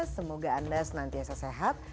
semoga anda senantiasa sehat